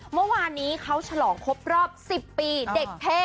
เมื่อวานนี้เขาฉลองครบรอบ๑๐ปีเด็กเท่